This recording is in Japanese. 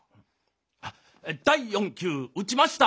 あ第４球打ちました！